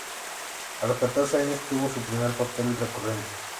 A los catorce años tuvo su primer papel recurrente.